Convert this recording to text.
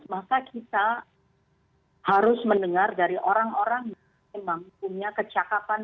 maka kita harus mendengar dari orang orang yang memang punya kecakapan